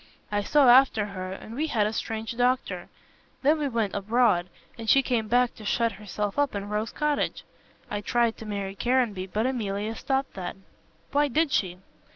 I saw after her and we had a strange doctor. Then we went abroad, and she came back to shut herself up in Rose Cottage. I tried to marry Caranby, but Emilia stopped that." "Why did she?"